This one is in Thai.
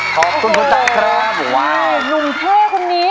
ขอบคุณคุณสำคัญครับว้าวโอเคนุ่มเท่คนนี้